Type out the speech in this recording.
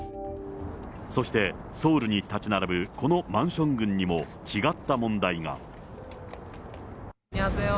そしてソウルに建ち並ぶこのマンション群にも、違った問題が。